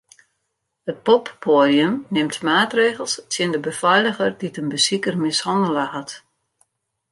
It poppoadium nimt maatregels tsjin de befeiliger dy't in besiker mishannele hat.